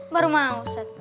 baru mau set